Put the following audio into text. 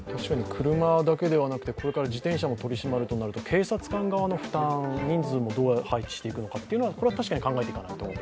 車だけではなくて、これから自転車も取り締まるとなると警察官側の負担、人数もどう配置していくのか、これは確かに考えていかないと。